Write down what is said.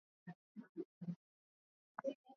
Shule zimefunguliwa.